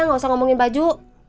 gak usah ngomongin baju